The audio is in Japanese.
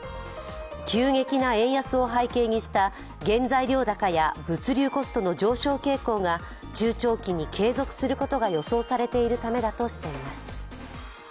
急激な円安を背景にした原材料高や物流コストの上昇傾向が中長期に継続することが予想されているためだとしています。